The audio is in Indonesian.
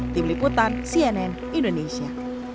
tim liputan cnn indonesia